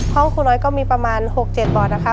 ครูน้อยก็มีประมาณ๖๗บอร์ดนะคะ